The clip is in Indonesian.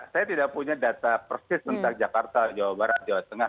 saya tidak punya data persis tentang jakarta jawa barat jawa tengah